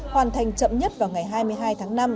hoàn thành chậm nhất vào ngày hai mươi hai tháng năm